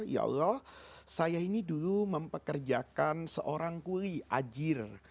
ya allah saya ini dulu mempekerjakan seorang kuli ajir